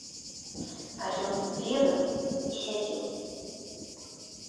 А ён ведаў і сядзеў.